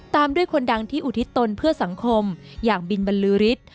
ตามด้วยคนดังที่อุทิศตนเพื่อสังคมอย่างบินบรรลือฤทธิ์